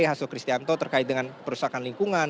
hasto kristianto terkait dengan perusahaan lingkungan